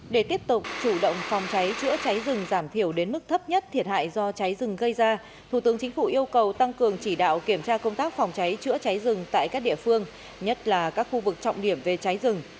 để tiếp tục chủ động phòng cháy chữa cháy rừng giảm thiểu đến mức thấp nhất thiệt hại do cháy rừng gây ra thủ tướng chính phủ yêu cầu tăng cường chỉ đạo kiểm tra công tác phòng cháy chữa cháy rừng tại các địa phương nhất là các khu vực trọng điểm về cháy rừng